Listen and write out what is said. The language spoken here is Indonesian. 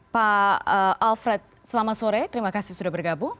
pak alfred selamat sore terima kasih sudah bergabung